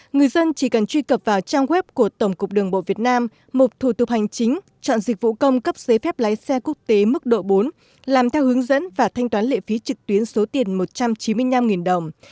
người dân chỉ cần truy cập vào trang web của tổng cục đường bộ việt nam một thủ tục hành chính chọn dịch vụ công cấp giấy phép lái xe quốc tế mức độ bốn làm theo hướng dẫn và thanh toán lệ phí trực tuyến số tiền một trăm chín mươi năm đồng